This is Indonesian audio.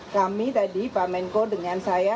kami tadi pak menko dengan saya